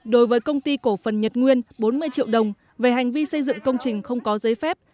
đối với công ty cổ phần nhật nguyên bốn mươi triệu đồng về hành vi xây dựng công trình không có giấy phép